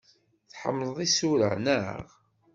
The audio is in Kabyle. Tḥemmleḍ isura, naɣ?